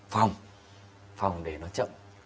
phòng phòng để nó chậm